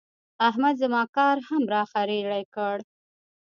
احمد زما کار هم را خرېړی کړ.